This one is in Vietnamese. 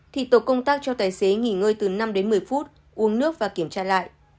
thì tổ công tác cho tài xế nghỉ ngơi từ năm đến một mươi phút uống nước và kiểm tra lại